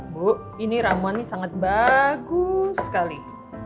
bu ini ramuan ini sangat bagus sekali